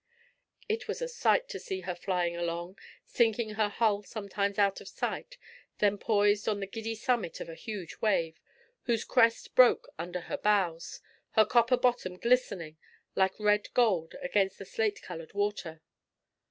It was a sight to see her flying along, sinking her hull sometimes out of sight, then poised on the giddy summit of a huge wave, whose crest broke under her bows, her copper bottom glistening like red gold against the slate colored water.